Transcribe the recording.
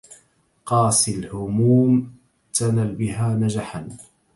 قاس الهموم تنل بها نجحا